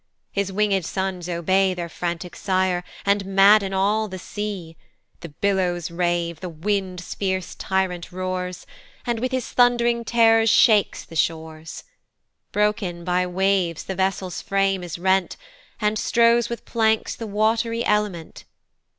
His winged sons obey Their frantic sire, and madden all the sea. The billows rave, the wind's fierce tyrant roars, And with his thund'ring terrors shakes the shores: Broken by waves the vessel's frame is rent, And strows with planks the wat'ry element.